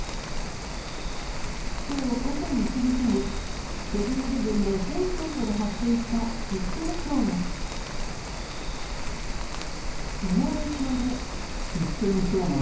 きょう午前１時過ぎ、セブンーイレブンの全店舗で発生したシステム障害。